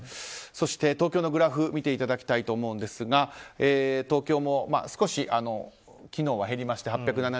そして東京のグラフを見ていただきたいと思いますが東京も少し昨日は減りまして８７１人。